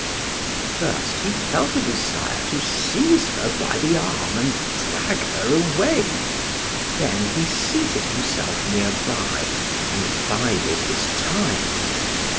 At first he felt a desire to seize her by the arm and drag her away; then he seated himself near by and bided his time.